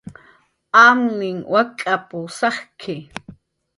"Amninh wak'ap"" sajki"